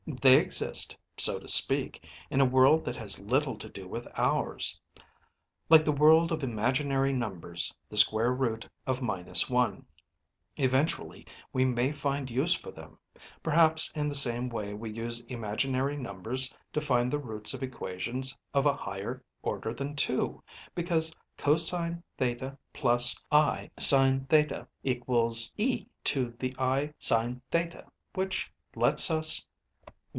They exist, so to speak, in a world that has little to do with ours. Like the world of imaginary numbers, the square root of minus one. Eventually we may find use for them, perhaps in the same way we use imaginary numbers to find the roots of equations of a higher order than two, because cosine theta plus I sine theta equals e to the I sine theta, which lets us